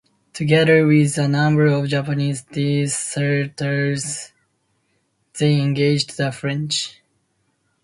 Together with a number of Japanese deserters, they engaged the French.